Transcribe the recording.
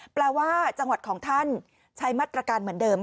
แปลว่าจังหวัดของท่านใช้มาตรการเหมือนเดิม